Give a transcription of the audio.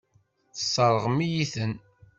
Tesseṛɣem-iyi-ten.